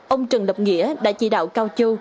ông trần lập nghĩa đã chỉ đạo cao châu